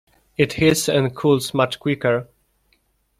It heats and cools much quicker.